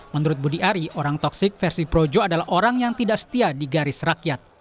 menurut budi ari orang toksik versi projo adalah orang yang tidak setia di garis rakyat